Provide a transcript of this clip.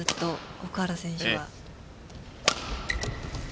奥原選手は。